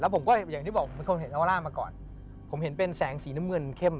ผมเห็นเป็นแสงสีน้ำเมืองเข้ม